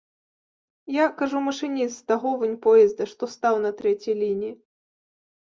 Я, кажу, машыніст з таго вунь поезда, што стаў на трэцяй лініі.